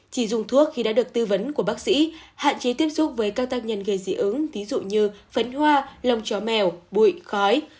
chỉ dùng thuốc khi đã được tư vấn của bác sĩ hạn chế tiếp xúc với các tác nhân gây dị ứng ví dụ như phấn hoa lông chó mèo bụi khói